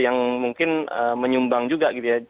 yang mungkin menyumbang juga gitu ya